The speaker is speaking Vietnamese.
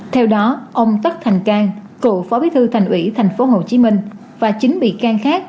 theo đó ông tất thành cang cựu phó bí thư thành ủy thành phố hồ chí minh và chính bị can khác